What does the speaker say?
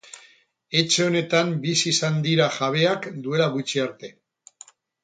Etxe honetan bizi izan dira jabeak duela gutxi arte.